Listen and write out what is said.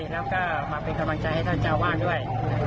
แล้วก็มาเป็นกำลังใจให้ท่านเจ้าวาดด้วย